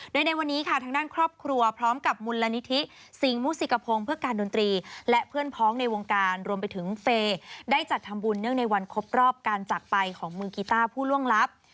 โดยในวันนี้ค่ะทางด้านครอบครัวพร้อมกับมูลนิธิสิงหมุสิกพงศ์เพื่อการดนตรีและเพื่อนพ้องในวงการรวมไปถึงเฟย์ได้จัดทำบุญเนื่องในวันครบรอบการจักรไปของมือกีต้าผู้ล่วงลับ